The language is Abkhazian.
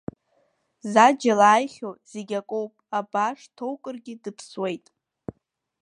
Заџьал ааихьоу зегь акоуп абааш дҭоукыргьы дыԥсуеит.